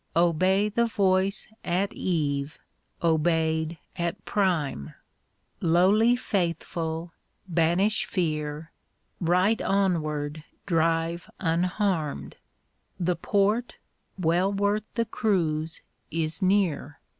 Obey the voice at eve obeyed at prime :" Lowly faithful, banish fear, Right onward drive unharmed : The port, well worth the cruise, is near.